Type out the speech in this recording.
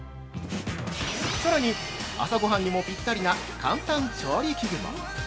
さらに、朝ごはんにもぴったりな簡単調理器具も。